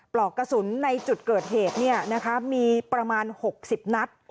ปลอกกระสุนในจุดเกิดเหตุมีประมาณ๖๐นัด